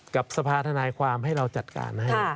กับสภาธนายความให้เราจัดการให้